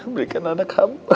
berikan anak hamba